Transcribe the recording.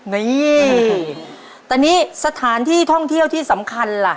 นี่แต่นี่สถานที่ท่องเที่ยวที่สำคัญล่ะ